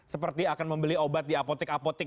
seperti akan membeli obat di apotek apotek